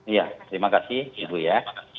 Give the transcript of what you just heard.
iya terima kasih ibu ya